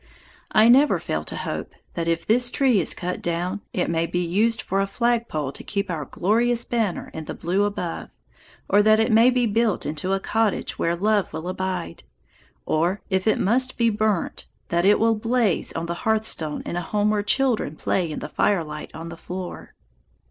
I never fail to hope that if this tree is cut down, it may be used for a flagpole to keep our glorious banner in the blue above, or that it may be built into a cottage where love will abide; or if it must be burnt, that it will blaze on the hearthstone in a home where children play in the firelight on the floor.